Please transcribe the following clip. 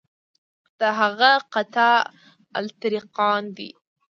دا هغه قطاع الطریقان دي.